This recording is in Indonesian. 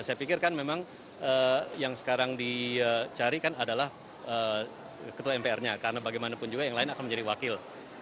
saya pikir kan memang yang sekarang dicari kan adalah ketua mpr nya karena bagaimanapun juga yang lain akan menjadi wakil